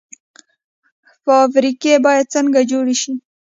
فابریکې باید څنګه جوړې شي؟